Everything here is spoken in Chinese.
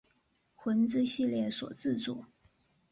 魂之系列所制作。